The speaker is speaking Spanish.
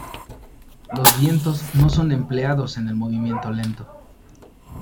Los vientos no son empleados en el movimiento lento.